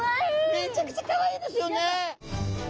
めちゃくちゃかわいいですよね！